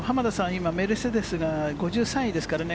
今、メルセデスが５３位ですからね。